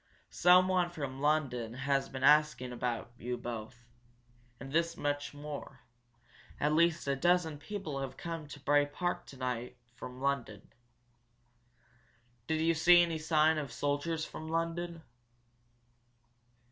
Someone from London has been asking about you both. And this much more at least a dozen people have come down to Bray Park today from London." "Did you see any sign of soldiers from London?"